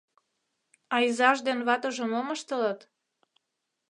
А изаж ден ватыже мом ыштылыт?